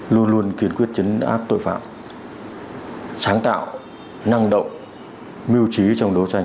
luôn luôn kiên quyết chấn áp tội phạm sáng tạo năng động mưu trí trong đấu tranh